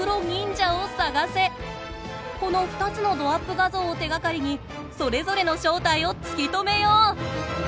この２つのどアップ画像を手がかりにそれぞれの正体を突き止めよう！